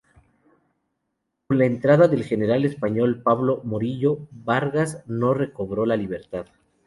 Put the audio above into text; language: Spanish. Con la entrada del general español Pablo Morillo, Vargas no recobró la libertad.